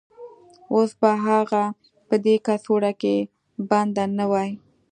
اوس به هغه په دې کڅوړه کې بنده نه وای